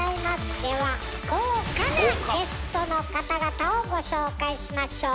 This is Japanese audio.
では豪華なゲストの方々をご紹介しましょう。